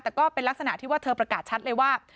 แต่ก็เป็นลักษณะที่ว่าเธอประกาศชัดเลยว่า